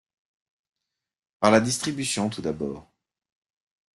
Par la distribution tout d'abord.